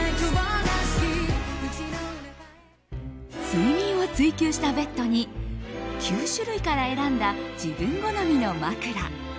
睡眠を追求したベッドに９種類から選んだ自分好みの枕。